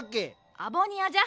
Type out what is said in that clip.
アボニアじゃ。